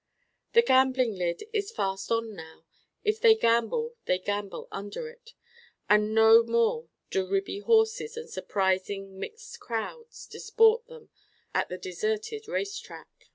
The gambling lid is fast on now if they gamble they gamble under it. And no more do ribby horses and surprising mixed crowds disport them at the deserted race track.